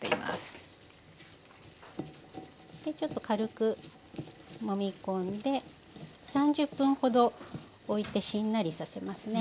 ちょっと軽くもみ込んで３０分ほどおいてしんなりさせますね。